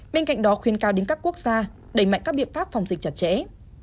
bên cạnh đó khuyên cao đến các quốc gia đẩy mạnh các biện pháp phòng dịch chặt chẽ